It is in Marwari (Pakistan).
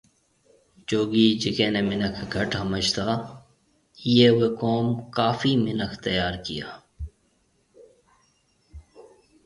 جوگي جڪي ني منک گھٽ ۿمجتا ايئي اوئي قوم ڪافي منک تيار ڪيئا